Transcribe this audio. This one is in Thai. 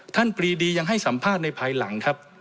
ปรีดียังให้สัมภาษณ์ในภายหลังครับ